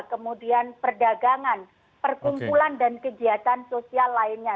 kemudian perdagangan perkumpulan dan kegiatan sosial lainnya